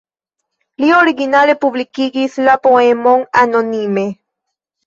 Li originale publikigis la poemon anonime.